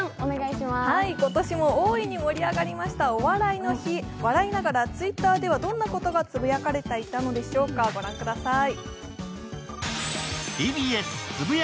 今年も大いに盛り上がりました「お笑いの日」、笑いながらＴｗｉｔｔｅｒではどんなことがつぶやかれていたのでしょうか、ご覧ください。